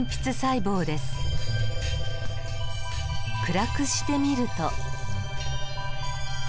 暗くしてみると。